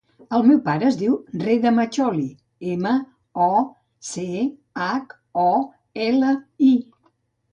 El meu pare es diu Reda Mocholi: ema, o, ce, hac, o, ela, i.